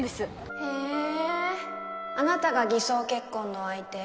へえあなたが偽装結婚の相手？